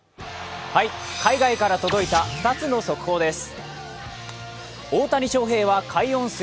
海外から届いた２つの速報です。